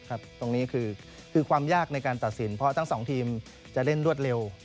ตรงนี้คือความยากในการตัดสินเพราะทั้งสองทีมจะเล่นรวดเร็ว